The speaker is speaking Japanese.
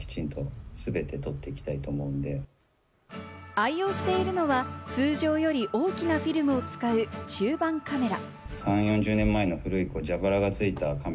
愛用しているのは、通常より大きなフィルムを使う中判カメラ。